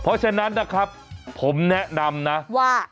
เพราะฉะนั้นนะครับผมแนะนำนะว่า